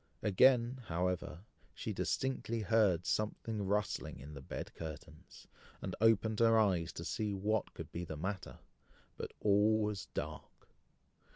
Again, however, she distinctly heard something rustling in the bed curtains, and opened her eyes to see what could be the matter, but all was dark.